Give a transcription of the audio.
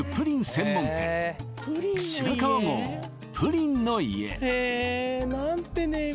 専門店白川郷ぷりんの家